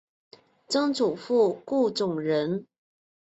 曾祖父顾仲仁。